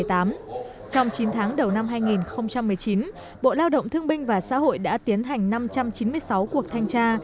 trong chín tháng đầu năm hai nghìn một mươi chín bộ lao động thương binh và xã hội đã tiến hành năm trăm chín mươi sáu cuộc thanh tra